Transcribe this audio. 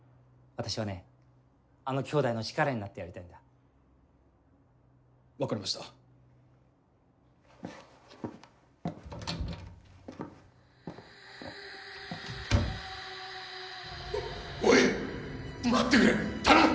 私はねあの兄弟の力になってやりたいんだ分かりましたおおい待ってくれ頼む！